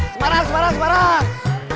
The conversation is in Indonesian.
semarang semarang semarang